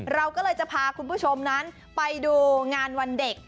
เราก็เลยจะพาคุณผู้ชมนั้นไปดูงานวันเด็ก